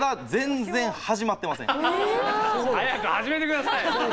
早く始めて下さい。